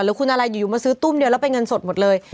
หรือคุณอะไรอยู่มาซื้อตุ้มเดียวแล้วเป็นเงินสดหมดเลย